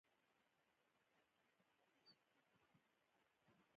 نورستان د ټولو افغانانو د ګټورتیا یوه خورا مهمه برخه ده.